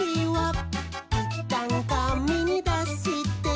「いったんかみに出して」